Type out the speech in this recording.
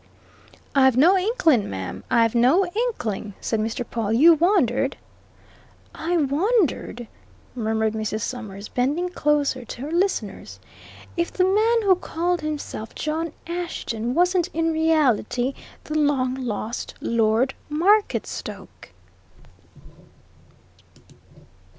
"I've no inkling, ma'am; I've no inkling!" said Mr. Pawle. "You wondered " "I wondered," murmured Mrs. Summers, bending closer to her listeners, "if the man who called himself John Ashton wasn't in reality the long lost Lord Marketstoke."